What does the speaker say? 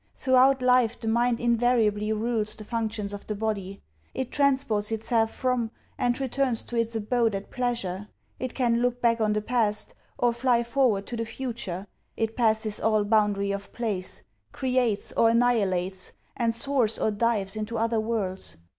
Throughout life, the mind invariably rules the functions of the body. It transports itself from, and returns to its abode at pleasure; it can look back on the past, or fly forward to the future; it passes all boundary of place; creates or annihilates; and soars or dives into other worlds.